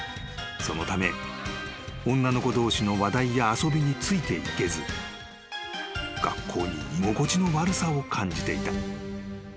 ［そのため女の子同士の話題や遊びについていけず学校に居心地の悪さを感じていた］